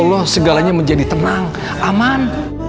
allah segalanya menjadi tenang aman